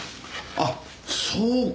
あっそうか。